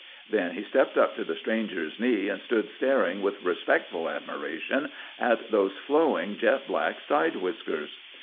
Then he stepped up to the stranger's knee, and stood staring with respectful admiration at those flowing jet black side whiskers.